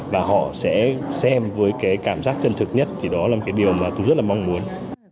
và họ sẽ xem với cảm giác chân thực nhất thì đó là điều mà tôi rất mong muốn